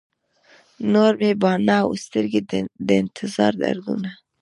نور مې باڼه او سترګي، د انتظار دردونه